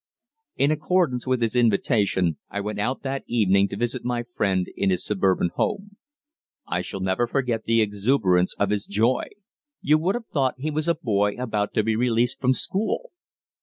In accordance with his invitation, I went out that evening to visit my friend in his suburban home. I shall never forget the exuberance of his joy. You would have thought he was a boy about to be released from school.